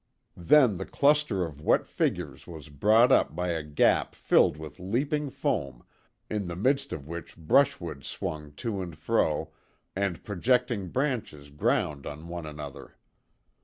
Then the cluster of wet figures was brought up by a gap filled with leaping foam, in the midst of which brushwood swung to and fro and projecting branches ground on one another.